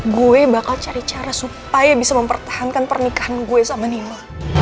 gue bakal cari cara supaya bisa mempertahankan pernikahan gue sama nima